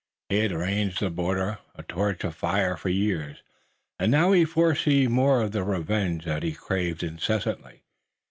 He had ranged the border, a torch of fire, for years, and now he foresaw more of the revenge that he craved incessantly.